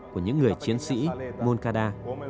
của những người chiến sĩ moncada